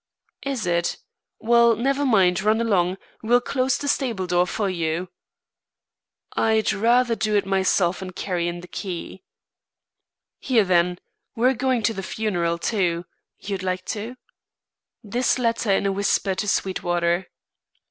"Is it? Well, never mind, run along. We'll close the stable door for you." "I'd rather do it myself and carry in the key." "Here then; we're going to the funeral, too. You'd like to?" This latter in a whisper to Sweetwater.